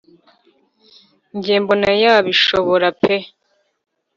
njye mbona yabishobora peuh